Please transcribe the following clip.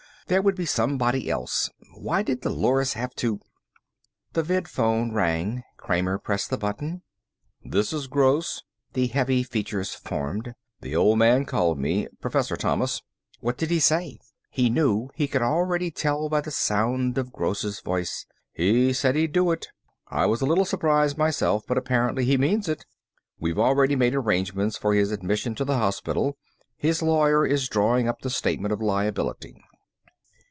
There would be somebody else. Why did Dolores have to " The vidphone rang. Kramer pressed the button. "This is Gross." The heavy features formed. "The old man called me. Professor Thomas." "What did he say?" He knew; he could tell already, by the sound of Gross' voice. "He said he'd do it. I was a little surprised myself, but apparently he means it. We've already made arrangements for his admission to the hospital. His lawyer is drawing up the statement of liability."